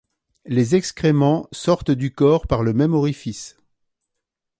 Les excréments sortent du corps par le même orifice.